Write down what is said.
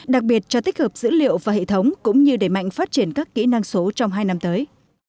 đặc biệt cho tích hợp dữ liệu và hệ thống cũng như đẩy mạnh phát triển các kỹ năng số trong hai năm tới